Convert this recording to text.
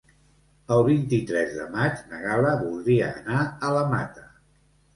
El vint-i-tres de maig na Gal·la voldria anar a la Mata.